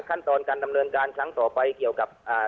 ขั้นตอนการดำเนินการครั้งต่อไปเกี่ยวกับอ่า